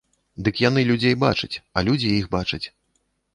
Дык яны людзей бачаць, а людзі іх бачаць.